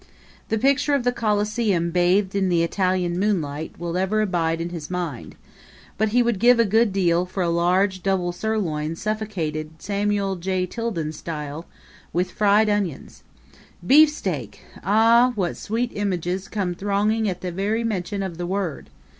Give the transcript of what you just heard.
The picture of the Coliseum bathed in the Italian moonlight will ever abide in his mind; but he would give a good deal for a large double sirloin suffocated Samuel J. Tilden style, with fried onions. Beefsteak! Ah, what sweet images come thronging at the very mention of the word!